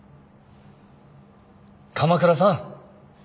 鎌倉さん！